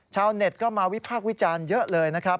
ชาวเน็ตก็มาวิพากษ์วิจารณ์เยอะเลยนะครับ